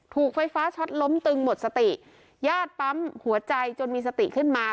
ถูกไฟฟ้าช็อตล้มตึงหมดสติญาติปั๊มหัวใจจนมีสติขึ้นมา